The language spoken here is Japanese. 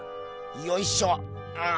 よいしょっ！